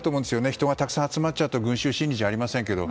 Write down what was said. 人がたくさん集まっちゃうと群集心理じゃありませんけど。